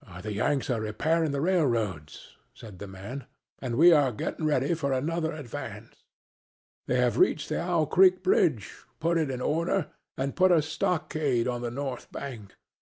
"The Yanks are repairing the railroads," said the man, "and are getting ready for another advance. They have reached the Owl Creek bridge, put it in order and built a stockade on the north bank.